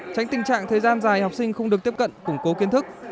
tránh tình trạng thời gian dài học sinh không được tiếp cận củng cố kiến thức